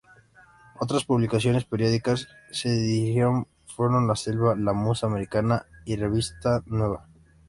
Otras publicaciones periódicas que dirigió fueron "La selva", "La musa americana" y "Revista nueva".